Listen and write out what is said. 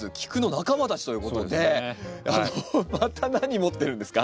あのまた何持ってるんですか？